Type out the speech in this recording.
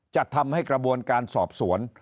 จะทำให้กระบวนการสอบสวน